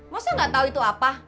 masa gak tau itu apa